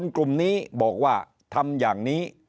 กลุ่มนี้บอกว่าทำอย่างนี้